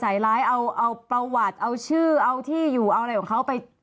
ใส่ร้ายเอาประวัติเอาชื่อเอาที่อยู่เอาอะไรของเขาไป